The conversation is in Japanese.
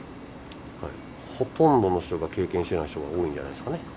ほとんどの人が経験していない人が多いんじゃないですかね。